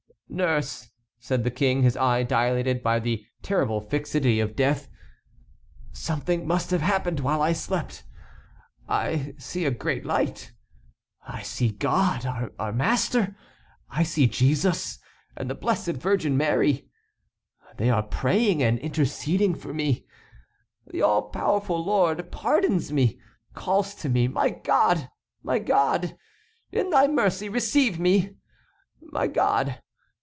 "Nurse," said the King, his eye dilated by the terrible fixity of death, "something must have happened while I slept. I see a great light. I see God, our Master, I see Jesus, and the Blessed Virgin Mary. They are praying and interceding for me. The all powerful Lord pardons me—calls to me—My God! my God! In thy mercy, receive me! My God!